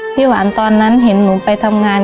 หวานตอนนั้นเห็นหนูไปทำงาน